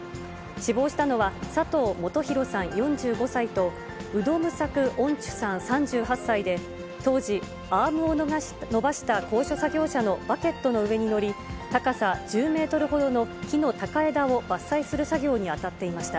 死亡したのは、佐藤元洋さん４５歳と、ウドムサク・オンチュさん３８歳で、当時、アームを伸ばした高所作業車のバケットの上に乗り、高さ１０メートルほどの木の高枝を伐採する作業に当たっていました。